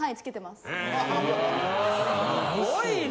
すごいな。